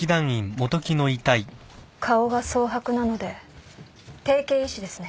顔が蒼白なので定型縊死ですね。